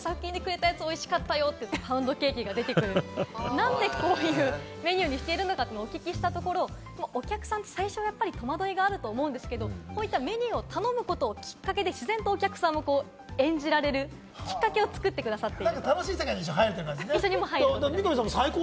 何で、こういうメニューにしているのかをお聞きしたところ、お客さんは最初はやっぱり戸惑いがあると思うんですけど、こういったメニューを頼むことがきっかけで自然とお客さんも演じられるきっかけを作ってくださっている。